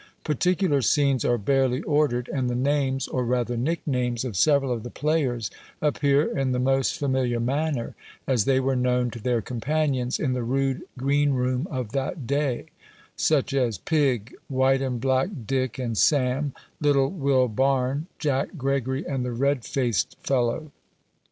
Particular scenes are barely ordered, and the names, or rather nicknames, of several of the players, appear in the most familiar manner, as they were known to their companions in the rude green room of that day: such as "Pigg, White and Black Dick and Sam, Little Will Barne, Jack Gregory, and the Red faced fellow."